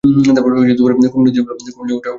কুমুদিনী বললে, ওটা আমিই রেখে দেব।